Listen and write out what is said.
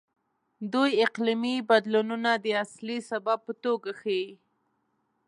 دوی اقلیمي بدلونونه د اصلي سبب په توګه ښيي.